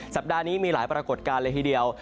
สัปดาห์นี้มีหลายปรากฏการณ์เลยทีเดียว